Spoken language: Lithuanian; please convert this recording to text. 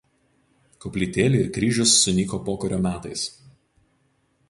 Koplytėlė ir kryžius sunyko pokario metais.